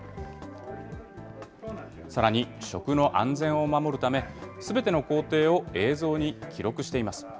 さらに食の安全を守るため、すべての工程を映像に記録しています。